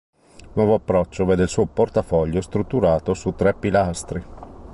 Il nuovo approccio vede il suo portafoglio strutturato su tre pilastri.